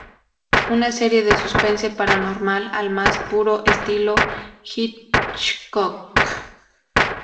Una serie de suspense paranormal al más puro estilo Hitchcock.